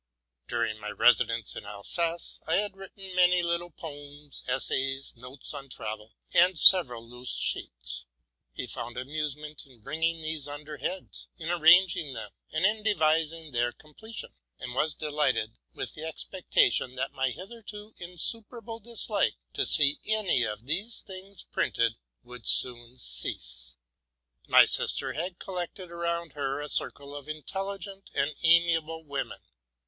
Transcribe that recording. During my residence in Alsace. T had written many little poems, essays, notes on travel, and several loose sheets. He found amusement in bringing these under heads, in arrangii, g them, and in devising their comple tion, and was delighted with the expectation that my hitherto insuperable dislike to see any of these things printed would 98 TRUTH AND FICTION soon cease. My sister had collected around her a circle of intelligent and amiable women.